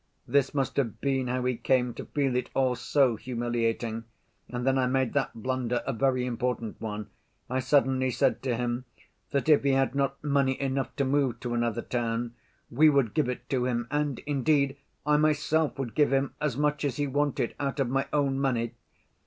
This must have been how he came to feel it all so humiliating, and then I made that blunder, a very important one. I suddenly said to him that if he had not money enough to move to another town, we would give it to him, and, indeed, I myself would give him as much as he wanted out of my own money.